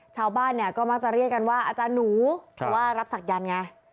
ชาวบ้านเนี่ยก็มักจะเรียกกันว่าอาจารย์หนูเพราะว่ารับศักยันต์ไง